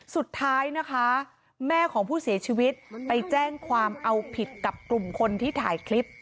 สุดท้ายนะคะแม่ของผู้เสียชีวิตไปแจ้งความเอาผิดกับกลุ่มคนที่ถ่ายคลิป